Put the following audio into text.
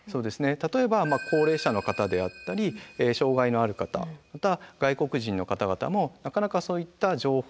例えば高齢者の方であったり障害のある方または外国人の方々もなかなかそういった情報